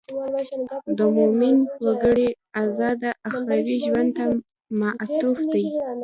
د مومن وګړي اراده اخروي ژوند ته معطوف شي.